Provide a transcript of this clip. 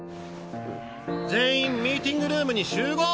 全員ミーティングルームに集合！